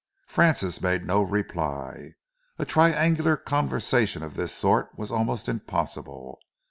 Francis made no reply. A triangular conversation of this sort was almost impossible.